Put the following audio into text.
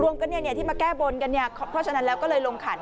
รวมกันเนี่ยที่มาแก้บนกันเนี่ยเพราะฉะนั้นแล้วก็เลยลงขัน